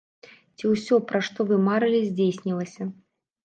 Ці ўсё, пра што вы марылі, здзейснілася?